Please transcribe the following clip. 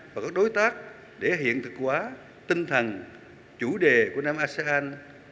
và các đối tác để hiện thực hóa tinh thần chủ đề của năm asean hai nghìn hai mươi